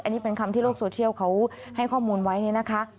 อันนี้เป็นคำที่โลกโซเชียลเขาให้ข้อมูลไว้เนี่ยนะคะ